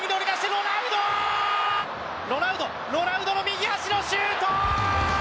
ロナウド、ロナウドの右足のシュート！